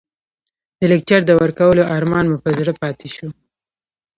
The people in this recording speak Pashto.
د لکچر د ورکولو ارمان مو په زړه پاتې شو.